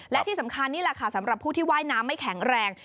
และที่สำคัญนี่แหละค่ะสำหรับผู้ที่ว่ายน้ำไม่แข็งแรง